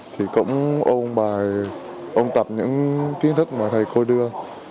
thì cũng ôn bài ôn tập những kiến thức mà thầy cô đưa